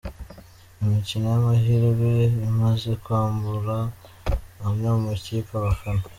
Imikino y’amahirwe imaze kwambura amwe mu makipe abafana